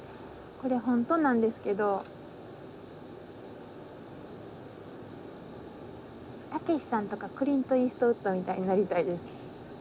これホントなんですけどたけしさんとかクリント・イーストウッドみたいになりたいです。